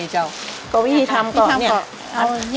ยัดให้แน่นเลย